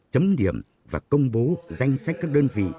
chấm điểm và công bố danh sách các đơn vị